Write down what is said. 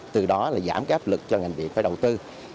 từ đó giảm áp lực cho ngành điện phải đầu tư